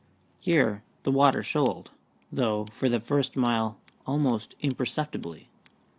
Here the water shoaled, though for the first mile almost imperceptibly.